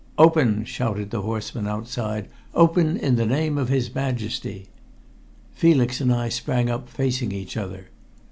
"Open!" shouted the horsemen outside. "Open in the name of his Majesty!" Felix and I sprang up facing each other.